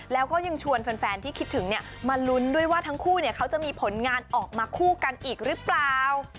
แล้วก็ยังชวนแฟนที่คิดถึงมาลุ้นด้วยว่าทั้งคู่เขาจะมีผลงานออกมาคู่กันอีกหรือเปล่า